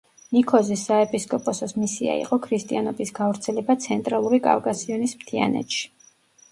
ნიქოზის საეპისკოპოსოს მისია იყო ქრისტიანობის გავრცელება ცენტრალური კავკასიონის მთიანეთში.